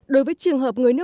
đối với trường hợp nguyên liệu